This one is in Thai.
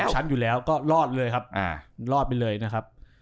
ชั้นอยู่แล้วก็รอดเลยครับรอดไปเลยนะครับ